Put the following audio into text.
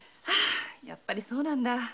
やっぱりそうなんだ。